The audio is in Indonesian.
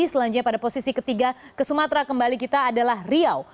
selanjutnya pada posisi ketiga ke sumatera kembali kita adalah riau